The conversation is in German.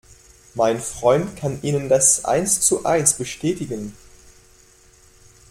Mein Freund kann Ihnen das eins zu eins bestätigen.